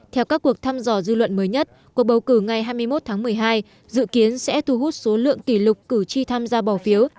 theo các cuộc thăm dò dư luận mới nhất cuộc bầu cử ngày hai mươi một tháng một mươi hai dự kiến sẽ thu hút số lượng kỷ lục cử tri tham gia bỏ phiếu